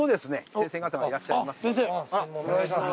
先生お願いします。